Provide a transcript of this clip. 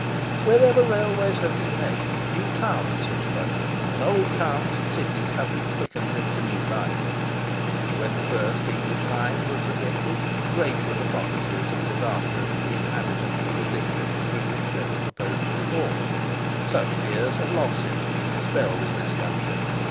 Wherever railways have been made, new towns have sprung up, and old towns and cities been quickened into new life. When the first English lines were projected, great were the prophecies of disaster to the inhabitants of the districts through which they were proposed to be forced. Such fears have long since been dispelled in this country.